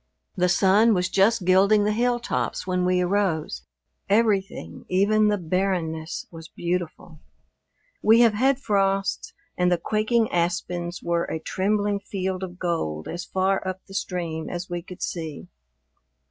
The sun was just gilding the hilltops when we arose. Everything, even the barrenness, was beautiful. We have had frosts, and the quaking aspens were a trembling field of gold as far up the stream as we could see.